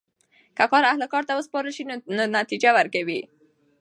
که کار اهل کار ته وسپارل سي نو نتیجه ورکوي.